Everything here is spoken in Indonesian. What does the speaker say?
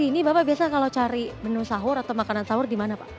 ini bapak biasa kalau cari menu sahur atau makanan sahur gimana pak